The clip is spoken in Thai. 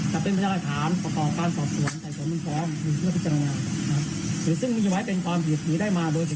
หมายค้นให้กับผมนะครับพันธุตรวจธูศูนยบดินบวงดินทอง